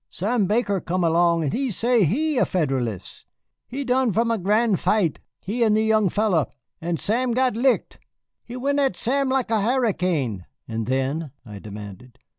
Sam Barker come along and say he a Federalist. They done have a gran' fight, he and the young feller, and Sam got licked. He went at Sam just like a harricane." "And then?" I demanded.